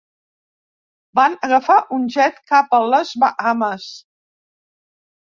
Van agafar un jet cap a les Bahames.